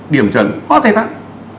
điểm chuẩn có thể tăng